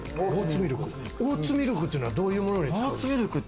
オーツミルクっていうのはどういうものに使うの？